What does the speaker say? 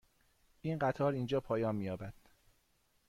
این قطار اینجا پایان می یابد.